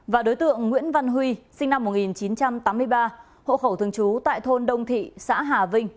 và đối tượng nguyễn văn huy sinh năm một nghìn chín trăm tám mươi ba hộ khẩu thường trú tại thôn đông thị xã hà vinh